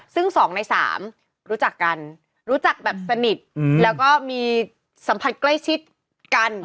ซึ่ง๒ใน๓รู้จักกันรู้จักแบบสนิทแล้วก็มีสัมผัสใกล้ชิดกัน